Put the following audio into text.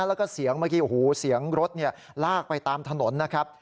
แล้วก็เสียงเมื่อกี้โอ้โหเสียงรถลากไปตามถนนนะครับ